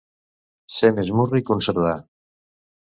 Ser més murri que un cerdà.